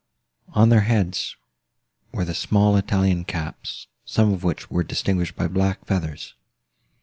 On their heads, were the small Italian caps, some of which were distinguished by black feathers.